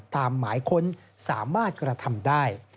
หมายค้นสามารถกระทำได้